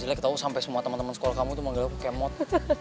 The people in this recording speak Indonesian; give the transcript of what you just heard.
jelek tau sampai semua temen temen sekolah kamu tuh manggil aku kemot